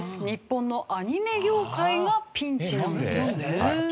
日本のアニメ業界がピンチなんですね。